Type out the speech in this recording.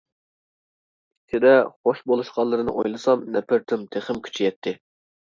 ئىچىدە خوش بولۇشقانلىرىنى ئويلىسام نەپرىتىم تېخىمۇ كۈچىيەتتى.